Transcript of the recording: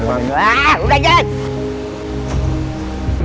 ah udah jan